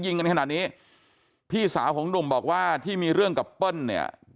กันขนาดนี้พี่สาวของหนุ่มบอกว่าที่มีเรื่องกับเปิ้ลเนี่ย